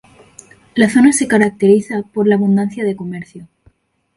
La zona se caracteriza por la abundancia de comercio.